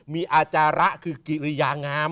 มีอาจาระคือกิริยางาม